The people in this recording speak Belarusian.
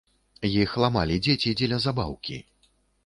Іх ламалі дзеці дзеля забаўкі.